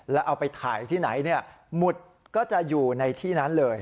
แล้วเอาไปถ่ายที่ไหนหมุดก็จะอยู่ในที่นั้นเลย